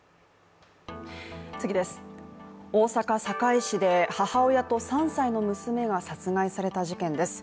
大阪・堺市で母親と３歳の娘が殺害された事件です。